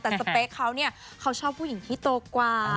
แต่สเปคเขาเนี่ยเขาชอบผู้หญิงที่โตกว่า